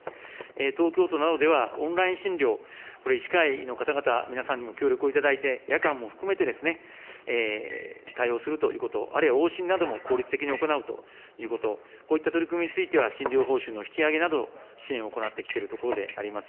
東京都などではオンライン診療、これ、医師会の方々、皆さんにも協力をいただいて、夜間も含めて対応するということ、あるいは往診なども効率的に行うということ、こういった取り組みについては診療報酬の引き上げなど、支援を行ってきているところであります。